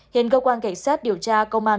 hiện cơ quan cảnh sát điều tra công an